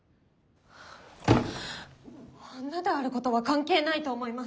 女であることは関係ないと思います。